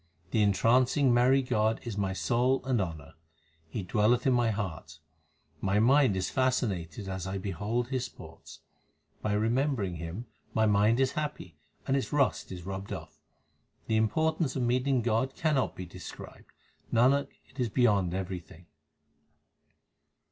The entrancing merry God is my soul and honour ; He dwelleth in my heart ; my mind is fascinated as I behold His sports. By remembering Him my mind is happy, and its rust is rubbed off. The importance of meeting God l cannot be described ; Nanak, it is beyond everything.